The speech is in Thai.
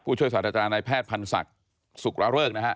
กู้ช่วยสวัสดิ์จรารายพลแภทภาพนุศัฒน์สุขระเเริกนะฮะ